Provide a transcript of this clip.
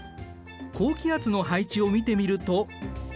高気圧の配置を見てみると。